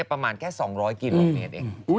ประมาณแค่๒๐๐กิโลเมตรเอง